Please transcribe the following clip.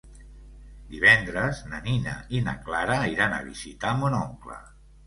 Divendres na Nina i na Clara iran a visitar mon oncle.